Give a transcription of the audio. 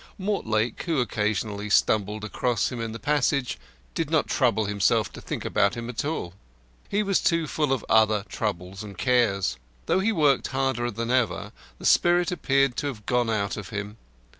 Mortlake, who occasionally stumbled across him in the passage, did not trouble himself to think about him at all. He was too full of other troubles and cares. Though he worked harder than ever, the spirit seemed to have gone out of him.